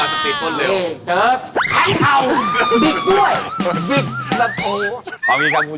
นี่คือจังหวัดติดขืนเร็ว